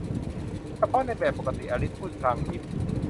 เฉพาะในแบบปกติ อลิสพูดพลางยิ้ม